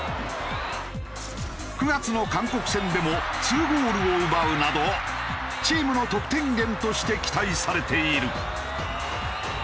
９月の韓国戦でも２ゴールを奪うなどチームの得点源として期待されている。